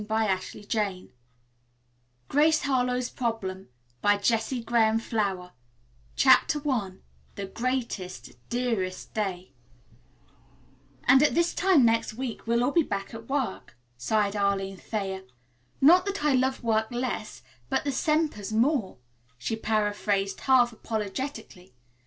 THE BOND ETERNAL 249 GRACE HARLOWE'S PROBLEM CHAPTER I THEIR GREATEST, DEAREST DAY "And at this time next week we'll all be back at work," sighed Arline Thayer. "Not that I love work less, but the Sempers more," she paraphrased half apologetically.